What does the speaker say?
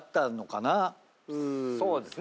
そうですね。